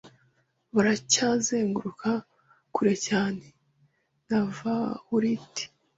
baracyazenguruka kure cyane; na vawuliti